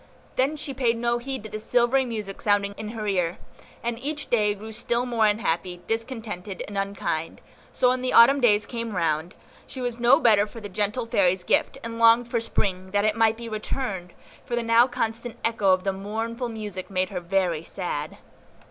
Then she paid no heed to the silvery music sounding in her ear, and each day grew still more unhappy, discontented, and unkind; so, when the Autumn days came round, she was no better for the gentle Fairy's gift, and longed for Spring, that it might be returned; for now the constant echo of the mournful music made her very sad.